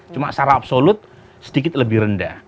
cuma secara absolut sedikit lebih rendah